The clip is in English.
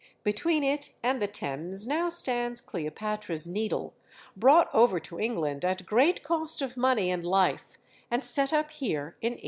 Between it and the Thames now stands Cleopatra's Needle, brought over to England at great cost of money and life, and set up here in 1878.